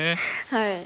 はい。